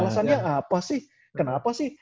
alasannya apa sih kenapa sih